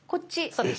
そうです。